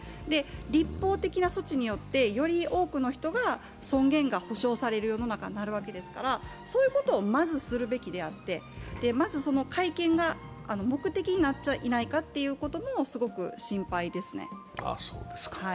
立法的な措置によって、より多くの人が尊厳が保障される世の中になるわけですから、そういうことをまず、するべきであって、まず、改憲が目的になっちゃいないかということもすごく心配ですね。